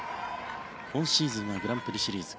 今シーズンはグランプリシリーズ